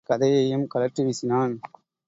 இடையிடையே கதையையும் சுழற்றி வீசினான்.